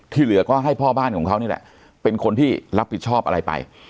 ที่เหลือก็ให้พ่อบ้านของเขาเลยเป็นคนที่รับผิดชอบไป